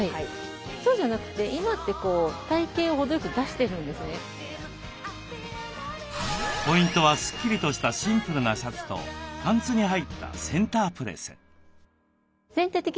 そうじゃなくてポイントはスッキリとしたシンプルなシャツとパンツに入ったセンタープレス。